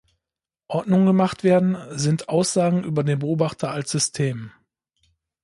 Ordnung gemacht werden, sind Aussagen über den Beobachter als System.